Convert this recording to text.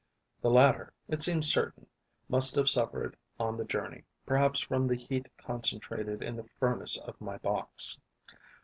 The latter, it seems certain, must have suffered on the journey, perhaps from the heat concentrated in the furnace of my box.